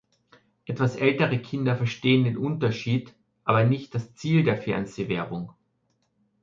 Etwas ältere Kinder verstehen den Unterschied, aber nicht das Ziel der Fernsehwerbung.